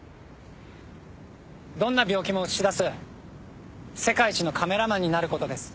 どんな病気も写し出す世界一のカメラマンになることです。